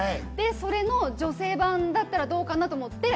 それの女性版だったらどうかなと思って。